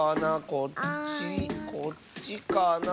こっちこっちかな。